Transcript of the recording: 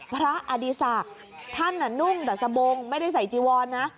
อดีศักดิ์ท่านนุ่งแต่สบงไม่ได้ใส่จีวรนะ